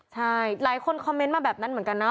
ใช่หลายคนคอมเมนต์มาแบบนั้นเหมือนกันนะ